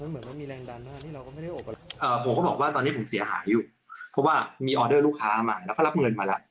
ผมก็บอกว่าตอนนี้ผมเสียหายอยู่เพราะว่ามีออเดอร์ลูกค้ามาแล้วก็รับเงินมาแล้ว